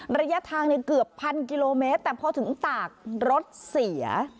ระยะทางเกือบพันกิโลเมตรแต่พอถึงตากรถเสีย